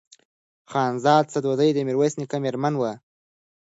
خانزاده سدوزۍ د میرویس نیکه مېرمن وه.